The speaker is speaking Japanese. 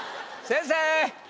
先生！